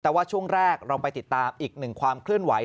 แต่ว่าช่วงแรกเราไปติดตามอีกหนึ่งความเคลื่อนไหว